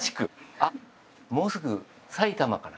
あっもうすぐ埼玉かな。